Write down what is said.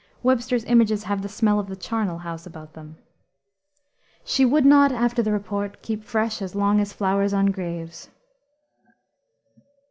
Webster's images have the smell of the charnel house about them. "She would not after the report keep fresh As long as flowers on graves."